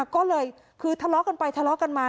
ก็เลยคือทะเลาะกันไปทะเลาะกันมา